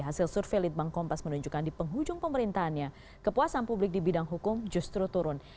hasil survei litbang kompas menunjukkan di penghujung pemerintahannya kepuasan publik di bidang hukum justru turun